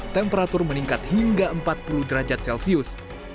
temperatur meningkat hingga empat puluh derajat celcius